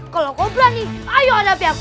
kalau kau berani ayo hadapi aku